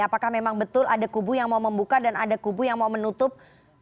apakah memang betul ada kubu yang mau membuka dan ada kubu yang mau menutup